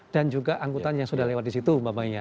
dan juga angkutan yang sudah lewat di situ mamanya